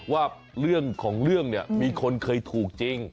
ว่าเรื่องของเรื่องเนี่ยมีคนเคยถูกจริง